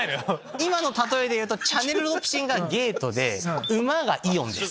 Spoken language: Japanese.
今の例えで言うとチャネルロドプシンがゲートで馬がイオンです。